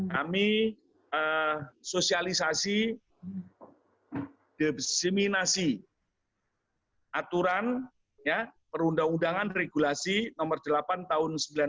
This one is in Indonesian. kami sosialisasi diseminasi aturan perundang undangan regulasi nomor delapan tahun sembilan belas